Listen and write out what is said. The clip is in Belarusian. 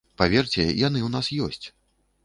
Паверце, яны ў нас ёсць.